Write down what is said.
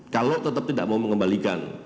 kalau tetap tidak mau mengembalikan